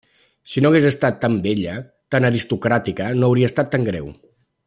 Si no hagués estat tan bella, tan aristocràtica, no hauria estat tan greu.